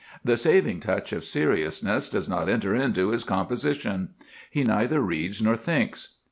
The saving touch of seriousness does not enter into his composition. He neither reads nor thinks.